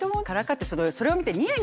それを見て。